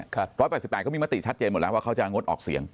๑๘๘เขามีมติชัดเจนหมดแล้วว่าเขาจะงดออกเสียง